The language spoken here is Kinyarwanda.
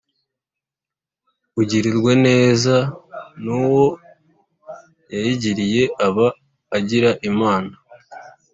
Ugirirwa neza n’uwo yayigiriye aba agira Imana.